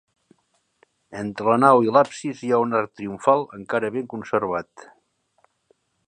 Entre la nau i l'absis hi ha un arc triomfal encara ben conservat.